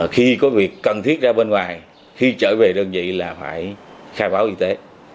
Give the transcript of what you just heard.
khi có việc cần thiết ra bên ngoài khi trở về đơn vị là phải khai báo y tế